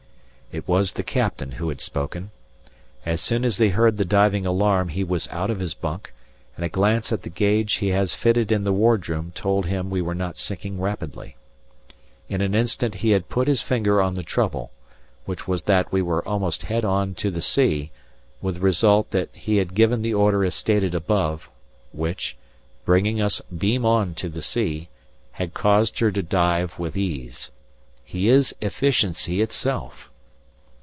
It was the Captain who had spoken. As soon as he heard the diving alarm he was out of his bunk, and a glance at the gauge he has fitted in the wardroom told him we were not sinking rapidly. In an instant he had put his finger on the trouble, which was that we were almost head on to the sea, with the result that he had given the order as stated above, which, bringing us beam on to the sea, had caused her to dive with ease. He is efficiency itself!